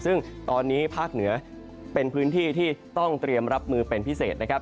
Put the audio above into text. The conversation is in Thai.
ซึ่งตอนนี้ภาคเหนือเป็นพื้นที่ที่ต้องเตรียมรับมือเป็นพิเศษนะครับ